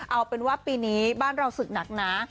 เอาเป็นว่าปีนี้บ้านเราศึกหนักนะ